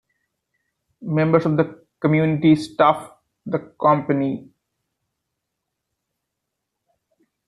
Members of the community staff the company.